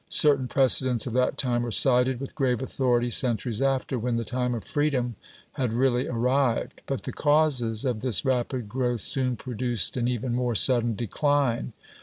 Certain precedents of that time were cited with grave authority centuries after, when the time of freedom had really arrived. But the causes of this rapid growth soon produced an even more sudden decline.